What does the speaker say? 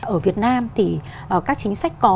ở việt nam thì các chính sách có